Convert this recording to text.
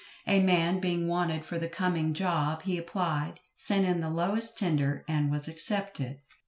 A man being wanted for the coming "job," he applied, sent in the "lowest tender," and was accepted.